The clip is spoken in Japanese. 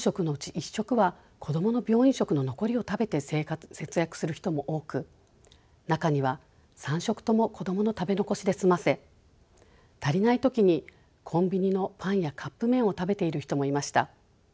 １食は子どもの病院食の残りを食べて節約する人も多く中には３食とも子どもの食べ残しで済ませ足りない時にコンビニのパンやカップ麺を食べている人もいました。